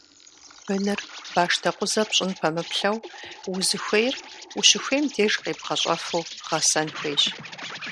Быныр, башдэкъузэ пщӀыным пэмыплъэу, узыхуейр ущыхуейм деж къебгъэщӀэфу гъэсэн хуейщ.